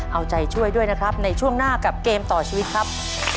เอาใจช่วยด้วยนะครับในช่วงหน้ากับเกมต่อชีวิตครับ